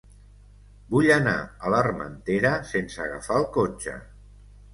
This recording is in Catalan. Vull anar a l'Armentera sense agafar el cotxe.